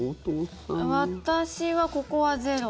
私はここはゼロ。